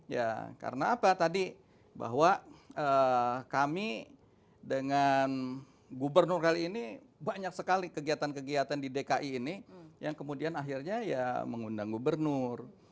ya karena apa tadi bahwa kami dengan gubernur kali ini banyak sekali kegiatan kegiatan di dki ini yang kemudian akhirnya ya mengundang gubernur